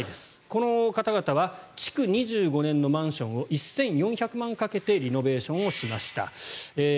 この方々は築２５年のマンションを１４００万かけてリノベーションをしました。